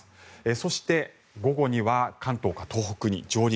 そして、午後には関東から東北に上陸。